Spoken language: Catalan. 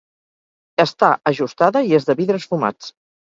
Està ajustada i és de vidres fumats.